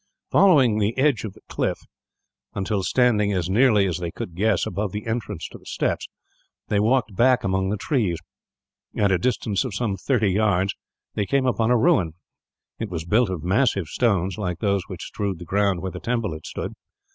Following the edge of the cliff, until standing as nearly as they could guess above the entrance to the steps, they walked back among the trees. At a distance of some thirty yards, they came upon a ruin. It was built of massive stones, like those which strewed the ground where the temple had stood.